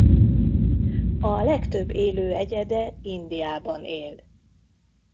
A legtöbb élő egyede Indiában él.